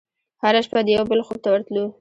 هره شپه د یوه بل خوب ته ورتللو